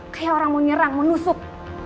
kayak orang mau nyerang mau nusuk